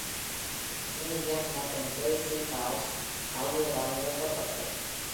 Neil Young மற்றும் Crazy Horse ஆகியோரால் நிகழ்த்தப்பட்டது.